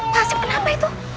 pak asyik kenapa itu